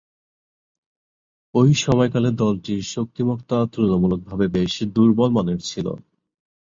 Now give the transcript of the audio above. ঐ সময়কালে দলটির শক্তিমত্তা তুলনামূলকভাবে বেশ দূর্বলমানের ছিল।